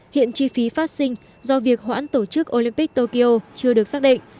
hiện chi phí phát sinh do việc hoãn tổ chức olympic tokyo chưa được xác định